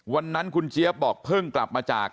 วันนั้นคุณเจี๊ยบบอกเพิ่งกลับมาจาก